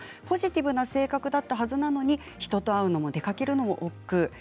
ポジティブな性格だったはずなのに人と会うのも出かけるのもおっくう。